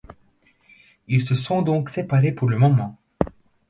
Ils se sont donc séparés pour le moment.